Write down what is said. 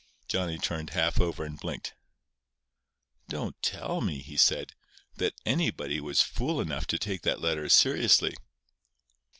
Johnny turned half over and blinked. "Don't tell me," he said, "that anybody was fool enough to take that letter seriously."